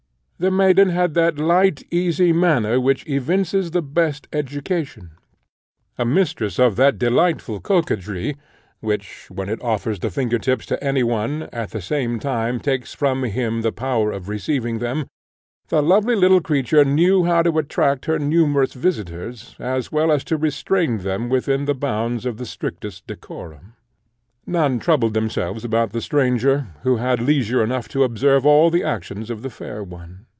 The maiden had that light easy manner which evinces the best education; a mistress of that delightful coquetry, which, when it offers the finger tips to any one, at the same time takes from him the power of receiving them, the lovely little creature knew how to attract her numerous visitors, as well as to restrain them within the bounds of the strictest decorum. None troubled themselves about the stranger, who had leisure enough to observe all the actions of the fair one.